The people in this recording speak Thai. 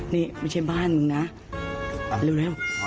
นี่ไม่ใช่บ้านมึงนะเร็ว